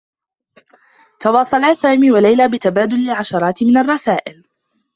تواصلا سامي و ليلى بتبادل العشرات من الرّسائل.